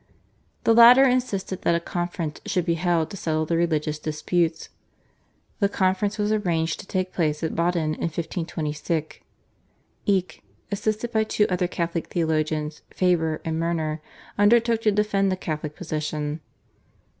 The latter insisted that a conference should be held to settle the religious disputes. The conference was arranged to take place at Baden in 1526. Eck, assisted by two other Catholic theologians, Faber and Murner, undertook to defend the Catholic position.